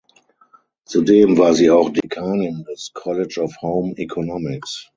Zudem war sie auch Dekanin des College of Home Economics.